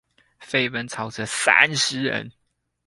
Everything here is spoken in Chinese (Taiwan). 飛奔超車三十人